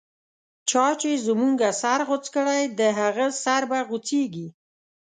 چا چی زموږه سر غوڅ کړی، د هغه سر به غو څیږی